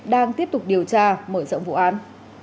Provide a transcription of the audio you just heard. đang tiếp tục điều tra mở rộng vụ án